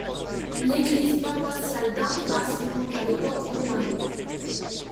L'église paroissiale d’Antras remonte à l'époque romane.